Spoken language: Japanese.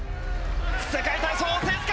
世界体操を制すか。